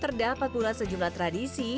terdapat pula sejumlah tradisi